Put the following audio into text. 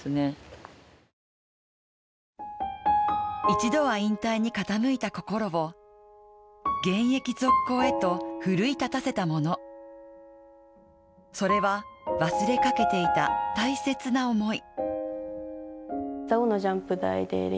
一度は引退に傾いた心を現役続行へと奮い立たせたもの、それは忘れかけていた大切な思い。